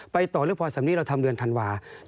ไปต่อเรื่องพอศัพท์นี้เราทำเดือนธันวาส์